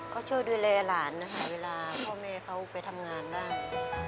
ก็ช่วยดูแลหลานนะคะเวลาพ่อแม่เขาไปทำงานบ้าง